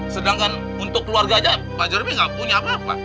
sedangkan untuk keluarga aja pak jokowi nggak punya apa apa